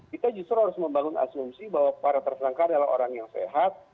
kita justru harus membangun asumsi bahwa para tersangka adalah orang yang sehat